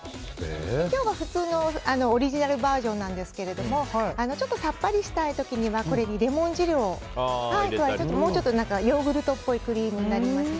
今日は普通のオリジナルバージョンなんですけどもちょっとさっぱりしたい時にはこれにレモン汁を入れたらもうちょっとヨーグルトっぽいクリームになります。